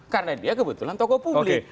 karena dia kebetulan tokoh publik